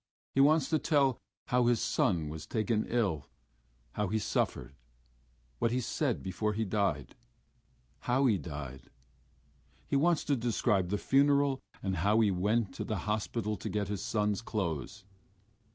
He wants to tell how his son was taken ill, how he suffered, what he said before he died, how he died.... He wants to describe the funeral, and how he went to the hospital to get his son's clothes.